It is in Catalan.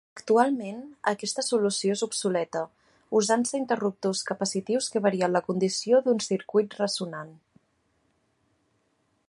Actualment aquesta solució és obsoleta, usant-se interruptors capacitius que varien la condició d'un circuit ressonant.